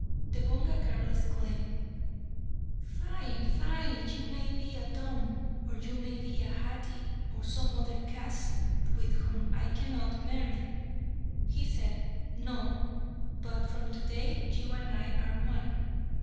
The Bonga girl exclaimed, "Fie! Fie! you may be a Dom, or you may be a Hadi of some other caste with whom I cannot marry." He said, "No. But from to day, you and I are one."